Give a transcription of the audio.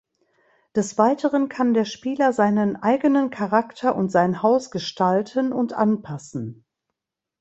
Des Weiteren kann der Spieler seinen eigenen Charakter und sein Haus gestalten und anpassen.